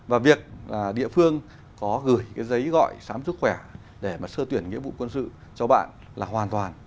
và việc địa phương có gửi giấy gọi sám sức khỏe để sơ tuyển nhiệm vụ quân sự cho bạn là hoàn toàn